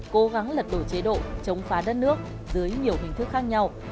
cố gắng lật đổ chế độ chống phá đất nước dưới nhiều hình thức khác nhau